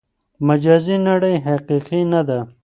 مجازي نړۍ حقیقي نه ده.